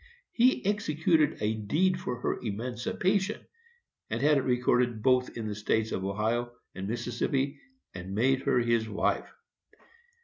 He executed a deed for her emancipation, and had it recorded both in the States of Ohio and Mississippi, and made her his wife.